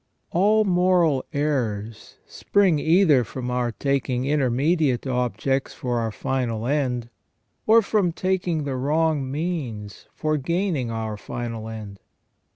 All moral errors spring either from our taking intermediate objects for our final end, or from taking the wrong means for gaining our final end.